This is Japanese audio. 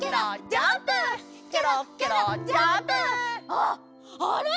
あっあれ？